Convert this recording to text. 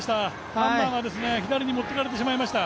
ハンマーが左に持っていかれてしまいました。